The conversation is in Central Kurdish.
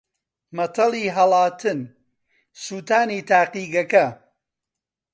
مەتەڵی ھەڵاتن: سووتانی تاقیگەکە